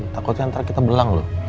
takutnya nanti kita belang loh